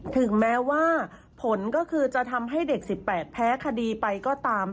ถึงแม้ว่าผลก็คือจะทำให้เด็ก๑๘แพ้คดีไปก็ตาม